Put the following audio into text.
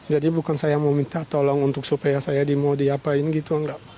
jadi bukan saya mau minta tolong supaya saya mau diapain gitu enggak